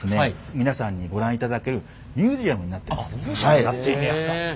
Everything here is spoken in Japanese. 皆さんにご覧いただけるミュージアムなってんねや。